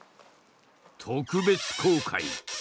特別公開。